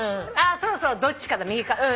あそろそろどっちかだ右か。